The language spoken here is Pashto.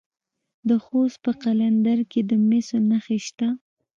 د خوست په قلندر کې د مسو نښې شته.